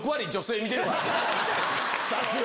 さすが！